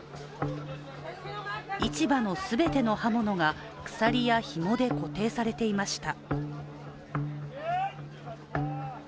市場の全ての刃物が鎖やひもで固定されていました。